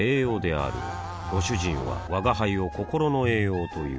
あぁご主人は吾輩を心の栄養という